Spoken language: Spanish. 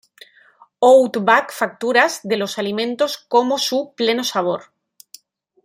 Outback facturas de los alimentos como su "pleno sabor".